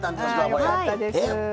よかったです。